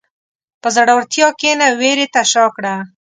په زړورتیا کښېنه، وېرې ته شا کړه.